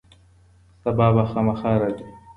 سبا به خامخا راځي.